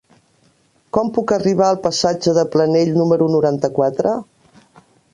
Com puc arribar al passatge de Planell número noranta-quatre?